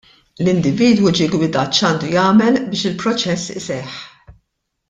L-individwu ġie ggwidat x'għandu jagħmel biex il-proċess iseħħ.